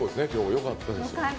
良かったです。